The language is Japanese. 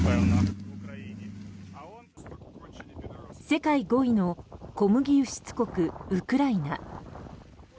世界５位の小麦輸出国ウクライナ。